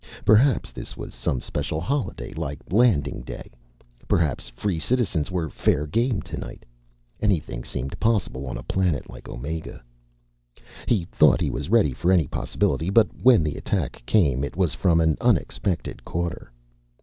Perhaps this was some special holiday like Landing Day. Perhaps Free Citizens were fair game tonight. Anything seemed possible on a planet like Omega. He thought he was ready for any possibility. But when the attack came, it was from an unexpected quarter.